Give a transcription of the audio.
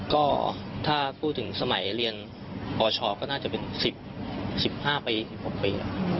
ก็ถ้าพูดถึงสมัยเรียนปชก็น่าจะเป็น๑๕ปี๑๖ปี